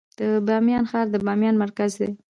د بامیان ښار د بامیان مرکز دی